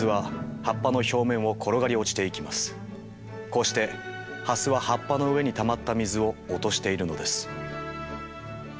こうしてハスは葉っぱの上にたまった水を落としているのです。